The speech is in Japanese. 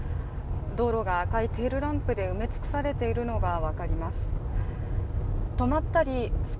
道路が赤いテールランプで埋め尽くされているのがわかります。